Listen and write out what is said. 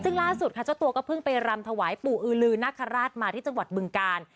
ซึ่งล่าสุดค่ะเจ้าตัวก็เพิ่งไปรำถวายปู่อือลือนาคาราชมาที่จังหวัดบึงกาล